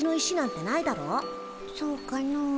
そうかの？